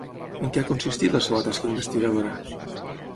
En què ha consistit la seva tasca investigadora?